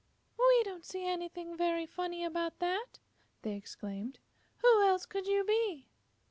"We don't see anything very funny about that," they exclaimed. "Who else could you be?"